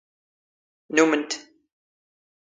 ⵏⵓⵎⵏ ⵜ.